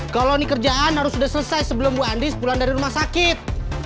kalau ini kerjaan harus sudah selesai sebelum bu andis pulang dari rumah sakit